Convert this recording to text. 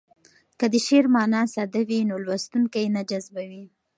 که د شعر مانا ساده وي نو لوستونکی نه جذبوي.